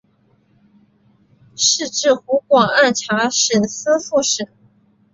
仕至湖广按察使司副使。